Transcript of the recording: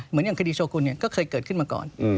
เหมือนอย่างคดีโชว์กุลเนี่ยก็เคยเกิดขึ้นมาก่อน